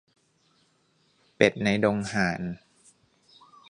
เป็ดในดงห่าน